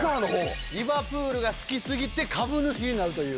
リバプールが好き過ぎて株主になるという。